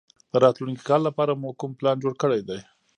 د راتلونکي کال لپاره مو کوم پلان جوړ کړی دی؟